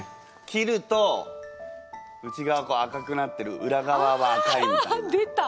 切ると内側赤くなってる裏側は赤いみたいな。出た！